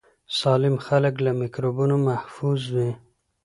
سالم خلک له میکروبونو محفوظ وي.